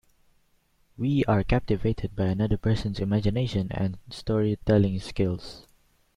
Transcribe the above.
We are captivated by another persons imagination and storytelling skills.